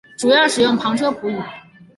主要使用旁遮普语。